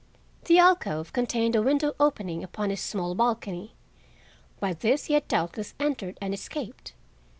The alcove contained a window opening upon a small balcony. By this he had doubtless entered and escaped.